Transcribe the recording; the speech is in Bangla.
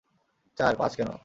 চার - পাঁচ কেন?